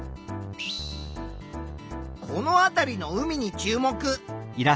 この辺りの海に注目！